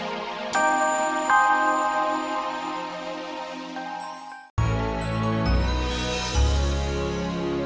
kayaknya sekarang waktunya nih